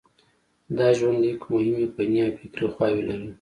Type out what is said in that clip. دا ژوندلیک مهمې فني او فکري خواوې لري.